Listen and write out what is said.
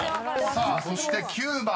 ［さあそして９番。